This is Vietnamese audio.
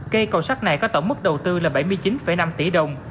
cây cầu sắt này có tổng mức đầu tư là bảy mươi chín năm tỷ đồng